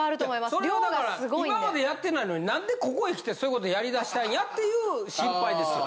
それはだから今までやってないのに何でここへきてそういう事をやり出したんやっていう心配ですよ。